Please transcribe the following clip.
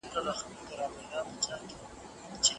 ټولنیزې چارې په دقت سره وڅېړئ.